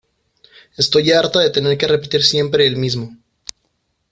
Estoy harta de tener que repetir siempre el mismo.